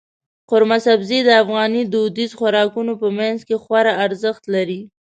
قورمه سبزي د افغاني دودیزو خوراکونو په منځ کې خورا ارزښت لري.